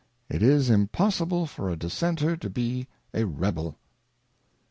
It is impossible for a Dissenter not to be a REBEL.